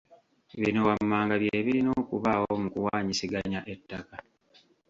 Bino wammanga bye birina okubaawo mu kuwaanyisiganya ettaka.